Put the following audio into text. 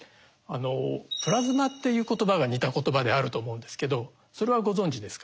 プラズマっていう言葉が似た言葉であると思うんですけどそれはご存じですか？